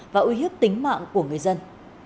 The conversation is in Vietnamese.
và uy hiếp tính mạng của người dân